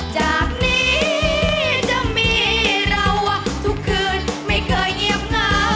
จากนี้จะมีเราทุกคืนไม่เคยเงียบเหงา